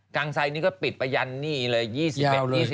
กลางไซน์นี้ก็ปิดไปยันนี่เลย๒๐บาท